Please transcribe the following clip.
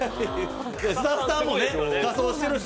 スタッフさんも仮装してるし。